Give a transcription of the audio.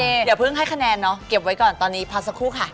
เดี๋ยวเพิ่งให้คะแนนเนาะเก็บไว้ก่อนตอนนี้พักสักครู่ค่ะ